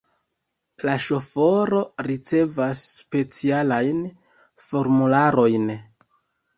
La ŝoforo ricevas specialajn formularojn.